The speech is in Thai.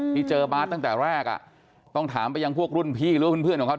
ที่เจอบาสตั้งแต่แรกต้องถามไปยังพวกรุ่นพี่หรือว่าเพื่อนของเขา